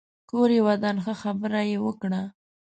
کور يې ودان ښه خبره يې وکړه